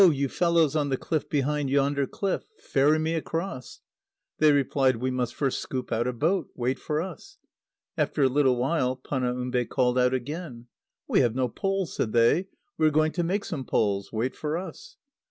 you fellows on the cliff behind yonder cliff! Ferry me across!" They replied: "We must first scoop out a boat. Wait for us!" After a little while Panaumbe called out again. "We have no poles," said they; "we are going to make some poles. Wait for us!"